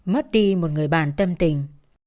mất đi một người bạn tâm tình